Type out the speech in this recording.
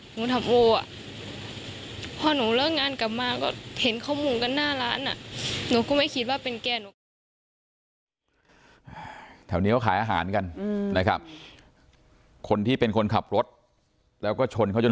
หนูทำโอพอหนูเลิกงานกลับมาก็